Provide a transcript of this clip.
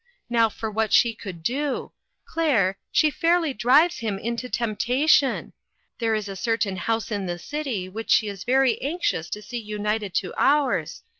Now for what she could do. Claire, she fairly drives him into temptation. There is a certain house in the city which she is very anxious to see united to ours.